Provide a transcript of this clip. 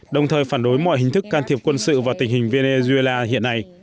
đồng thời phản đối mọi hình thức can thiệp quân sự vào tình hình venezuela hiện nay